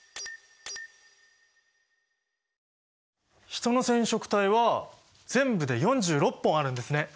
ヒトの染色体は全部で４６本あるんですね。